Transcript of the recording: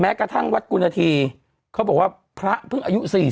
แม้กระทั่งวัดกุณฑิเขาบอกว่าท่านผละก็พึ่งอายุ๔๑๔๒